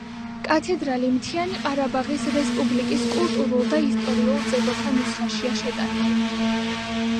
კათედრალი მთიანი ყარაბაღის რესპუბლიკის კულტურულ და ისტორიულ ძეგლთა ნუსხაშია შეტანილი.